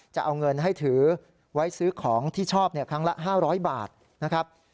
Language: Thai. จะเอาเงินให้ถือไว้ซื้อของที่ชอบครั้งละ๕๐๐บาทนะครับ